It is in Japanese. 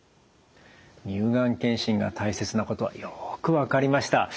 乳がん検診が大切なことはよく分かりました。